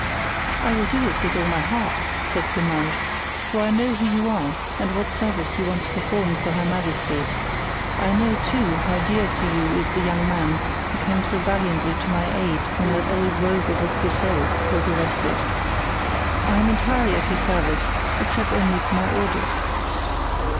"I will do it with all my heart," said Comminges; "for I know who you are and what service you once performed for her majesty; I know, too, how dear to you is the young man who came so valiantly to my aid when that old rogue of a Broussel was arrested. I am entirely at your service, except only for my orders."